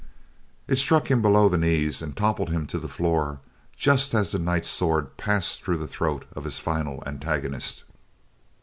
It struck him below the knees and toppled him to the floor just as the knight's sword passed through the throat of his final antagonist.